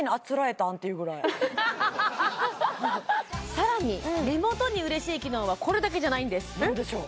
さらに目元に嬉しい機能はこれだけじゃないんです何でしょう？